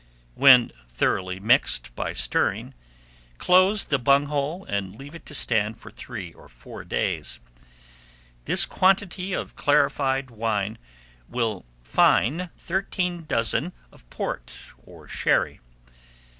When thoroughly mixed by stirring, close the bunghole, and leave it to stand for three or four days. This quantity of clarified wine will fine thirteen dozen of port or sherry.